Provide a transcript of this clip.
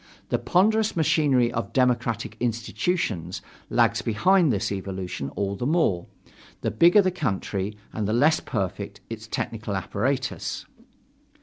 The ponderous machinery of democratic institutions lags behind this evolution all the more, the bigger the country and the less perfect its technical apparatus.